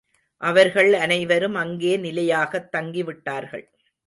அவர்கள் அனைவரும் அங்கே நிலையாகத் தங்கிவிட்டார்கள்.